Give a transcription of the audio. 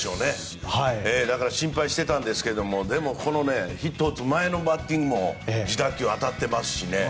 心配していたんですけどでも、ヒットを打つ前のバッティングも自打球、当たってますしね。